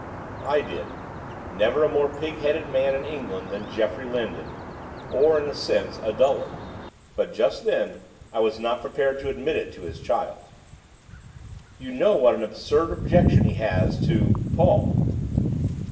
I did, never a more pig headed man in England than Geoffrey Lindon, or, in a sense, a duller. But, just then, I was not prepared to admit it to his child. 'You know what an absurd objection he has to Paul.